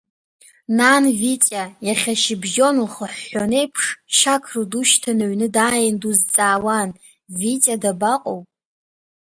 Нан, Витиа, иахьа, ашьыбжьон лхыҳәҳәоны еиԥш, Шьақро душьҭаны аҩны дааин, дузҵаауан, Витиа дабаҟоу?